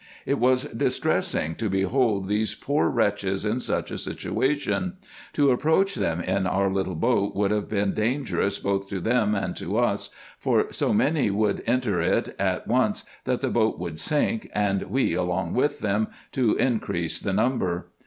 It was distressing to behold these poor wretches in such a situation. To approacli them in our little boat would have been dangerous both to them and to us, for so many would enter it at once, that the boat would sink, and we along with them, to increase the number.